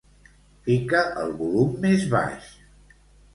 Fica el volum més baix.